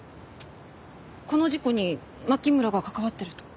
この事故に牧村が関わってると？